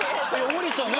下りたね。